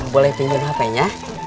boleh tinggal hp nya